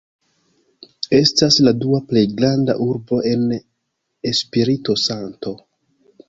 Estas la dua plej granda urbo en Espirito-Santo.